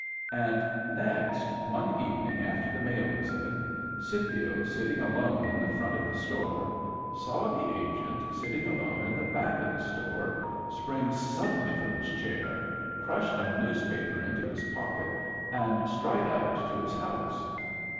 And next, one evening after the mail was in, Scipio, sitting alone in the front of the store. Digitized by Google 42 MEMBERS OF THE FAMILY saw the Agent, sitting alone in the back of the store, spring suddenly from his chair, crush a newspaper into his pocket, and stride out to his house.